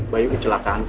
bayu kecelakaan fa